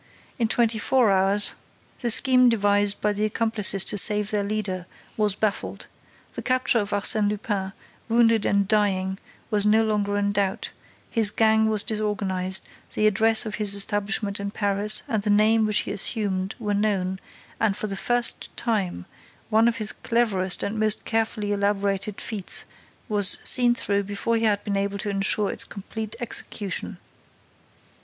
In twenty four hours, the scheme devised by the accomplices to save their leader was baffled; the capture of Arsène Lupin, wounded and dying, was no longer in doubt, his gang was disorganized, the address of his establishment in Paris and the name which he assumed were known and, for the first time, one of his cleverest and most carefully elaborated feats was seen through before he had been able to ensure its complete execution.